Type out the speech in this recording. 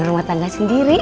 rumah tangga sendiri